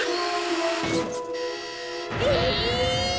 え！